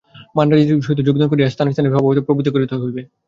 মান্দ্রাজবাসীদের সহিত যোগদান করিয়া স্থানে স্থানে সভা প্রভৃতি স্থাপন করিতে হইবে।